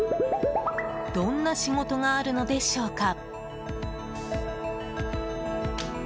どんな仕事があるのでしょうか？